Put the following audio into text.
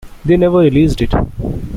They never released it.